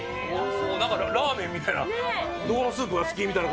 だからラーメンみたいな、どのスープが好きみたいな。